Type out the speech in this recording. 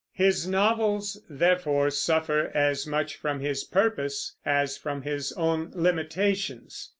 His novels, therefore, suffer as much from his purpose as from his own limitations.